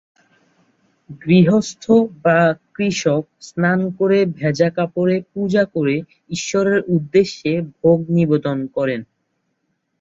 গৃহস্থ বা কৃষক স্নান করে ভেজা কাপড়ে পূজা করে ঈশ্বরের উদ্দেশ্যে ভোগ নিবেদন করেন।